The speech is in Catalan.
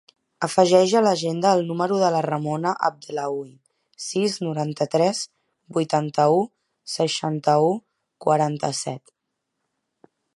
Afegeix a l'agenda el número de la Ramona Abdellaoui: sis, noranta-tres, vuitanta-u, seixanta-u, quaranta-set.